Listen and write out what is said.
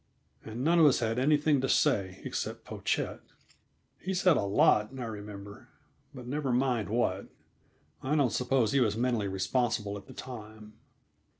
And none of us had anything to say, except Pochette; he said a lot, I remember, but never mind what. I don't suppose he was mentally responsible at the time.